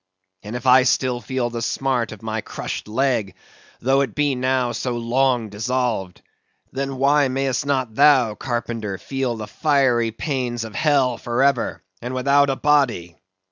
And if I still feel the smart of my crushed leg, though it be now so long dissolved; then, why mayst not thou, carpenter, feel the fiery pains of hell for ever, and without a body?